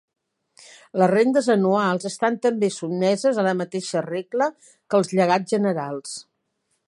Les rendes anuals estan també sotmeses a la mateixa regla que els llegats generals.